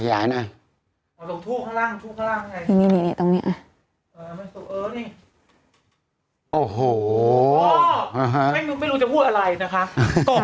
ไม่รู้จะพูดอะไรนะคะ